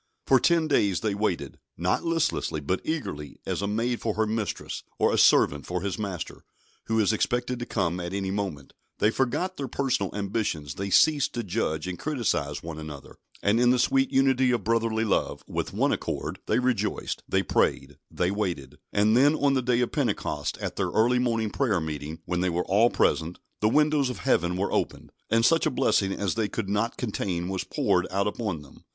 For ten days they waited, not listlessly, but eagerly, as a maid for her mistress, or a servant for his master, who is expected to come at any moment; they forgot their personal ambitions; they ceased to judge and criticise one another, and in the sweet unity of brotherly love, "with one accord" they rejoiced, they prayed, they waited; and then on the day of Pentecost, at their early morning prayer meeting, when they were all present, the windows of Heaven were opened, and such a blessing as they could not contain was poured out upon them.